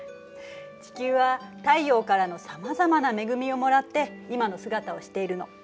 地球は太陽からのさまざまな恵みをもらって今の姿をしているの。